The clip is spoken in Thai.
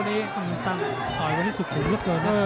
อืมตั้งต่อยว่านิสุคุมเยอะเกิน